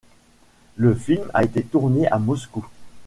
Le film a été tourné à Moscou.